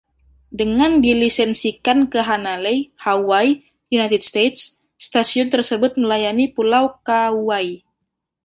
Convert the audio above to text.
Dengan dilisensikan ke Hanalei, Hawaii, United States, stasiun tersebut melayani pulau Kauai.